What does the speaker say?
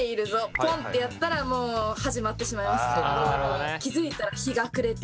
ポンってやったらもう始まってしまいますね。